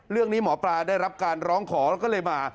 เรื่องนี้หมอปลาได้รับการร้องขอแล้วก็เลยมา